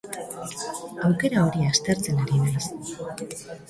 Aukera hori aztertzen ari naiz.